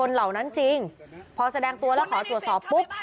เหล่านั้นจริงพอแสดงตัวแล้วขอตรวจสอบปุ๊บ